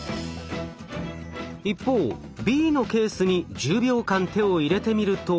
一方Ｂのケースに１０秒間手を入れてみると。